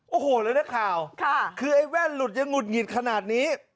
โอ้โหแล้วนักข่าวคือไอ้แว่นหลุดยังหุดหงิดขนาดนี้